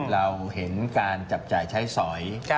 เราเห็นการจับจ่ายใช้สอย